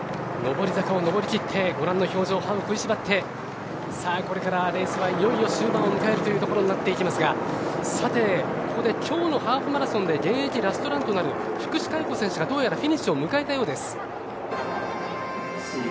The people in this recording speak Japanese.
上り坂を上りきってご覧の表情歯を食いしばってこれからレースはいよいよ終盤を迎えるというところになっていきますがさて、ここできょうのハーフマラソンで現役ラストランとなる福士加代子選手がどうやらフィニッシュを迎えたようです。